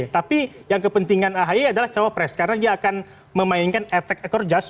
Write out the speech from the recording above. tapi yang kepentingan ahi adalah cawapres karena dia akan memainkan efek ekor jas